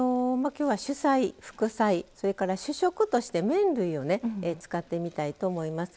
きょうは主菜、副菜そして、主食として麺類を使ってみたいと思います。